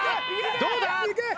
どうだ？